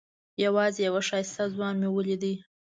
یوازې یو ښایسته ځوان مې ولید.